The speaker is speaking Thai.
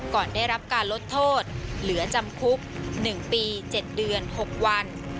ก่อนได้รับการลดโทษเหลือจำคุกหนึ่งปีเจ็ดเดือนหกวัน